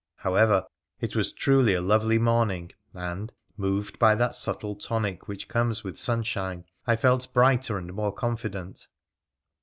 However, it was truly a lovely morning, and, moved by that subtle tonic which comes with sunshine, I felt brighter and more confident.